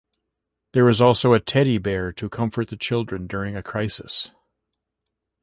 There is also a teddy bear to comfort the children during a crisis.